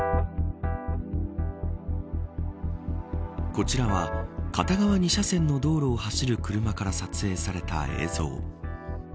こちらは片側２車線の道路を走る車から撮影された映像。